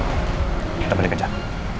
kita balik ke jam